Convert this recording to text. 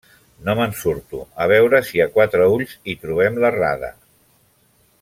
No me'n surto. A veure si a quatre ulls hi trobem l'errada.